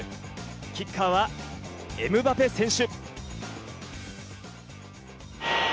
キッカーはエムバペ選手。